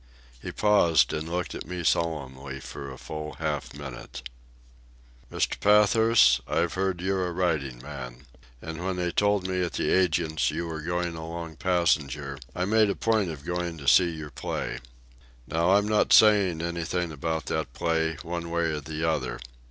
He paused and looked at me solemnly for a full half minute. "Mr. Pathurst, I've heard you're a writing man. And when they told me at the agents' you were going along passenger, I made a point of going to see your play. Now I'm not saying anything about that play, one way or the other.